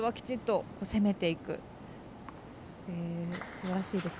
すばらしいです。